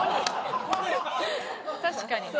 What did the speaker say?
確かにね。